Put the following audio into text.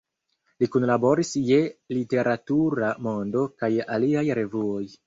Li Kunlaboris je "Literatura Mondo" kaj aliaj revuoj.